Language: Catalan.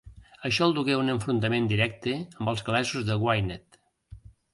Això el dugué a un enfrontament directe amb els gal·lesos de Gwynedd.